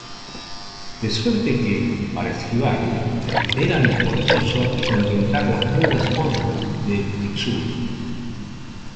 de suerte que para esquivarle érame forzoso contemplar las mudas ondas del Tixul